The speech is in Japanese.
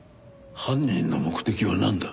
犯人の目的はなんだ？